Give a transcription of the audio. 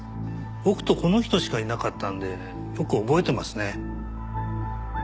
僕とこの人しかいなかったんでよく覚えてますね。